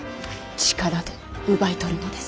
力で奪い取るのです。